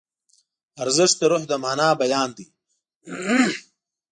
ارزښت د روح د مانا بیان دی.